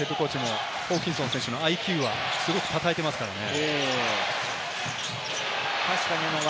ホーバスＨＣもホーキンソン選手のＩＱはすごく称えていますからね。